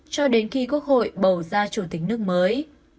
cho đến khi quốc hội bầu ra chủ tịch nước mới